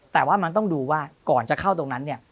แต่ว่ามันต้องดูว่าก่อนจะเข้าตรงนั้นเนี่ย